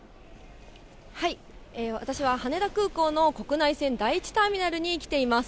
私は羽田空港の国内線第１ターミナルに来ています。